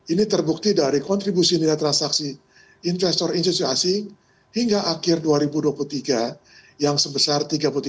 ini terbukti dari kontribusi nilai transaksi investor institusi asing hingga akhir dua ribu dua puluh tiga yang sebesar tiga puluh tiga